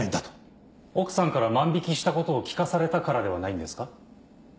奥さんから万引したことを聞かされたからではないんですか。